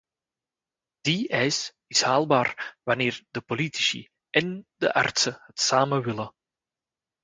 Die eis is haalbaar wanneer de politici en de artsen het samen willen.